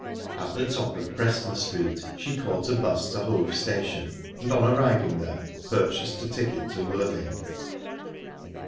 At the top of Preston Street she caught a bus to Hove Station, and, on arriving there, purchased a ticket to Worthing.